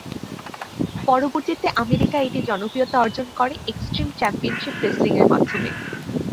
পরবর্তীতে আমেরিকায় এটি জনপ্রিয়তা অর্জন করে এক্সট্রিম চ্যাম্পিয়নশীপ রেসলিং এর মাধ্যমে।